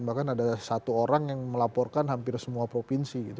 bahkan ada satu orang yang melaporkan hampir semua provinsi gitu